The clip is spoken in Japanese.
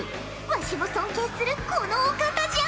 わしも尊敬するこのお方じゃ！